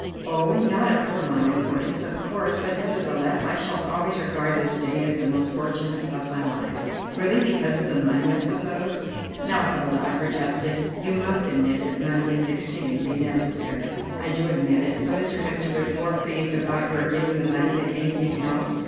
"Oh, not of paramount importance, of course, but nevertheless I shall always regard this day as the most fortunate of my life." "Really? Because of the money, I suppose?" "Now, Hilda," I protested, "you must admit that money is exceedingly necessary." "I do admit it. So Mr. Hemster was more pleased about your getting the money than anything else?"